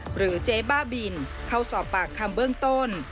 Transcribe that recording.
เจ๊บ้าบินเข้าสอบปากคำเบื้องต้น